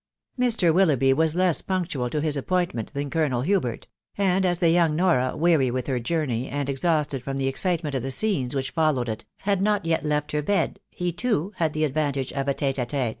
Mr. Willouohby was little less punctual to his appointment than Colonel Hubert ; and as the young Nora, weary with her journey, and exhausted from the excitement of the team which followed it, had not yet left her bed, he too, had the ad vantage of a tete & t£te.